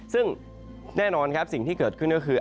ซึ่งแน่นอนครับสิ่งที่เกิดขึ้นก็คือ